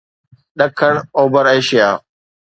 ڏکڻ اوڀر ايشيا